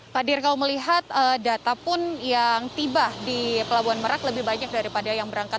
pak dir kalau melihat data pun yang tiba di pelabuhan merak lebih banyak daripada yang berangkat